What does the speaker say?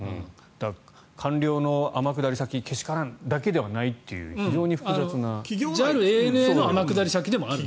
官僚の天下り先けしからんだけではないっていうＪＡＬ、ＡＮＡの天下り先でもあるんです。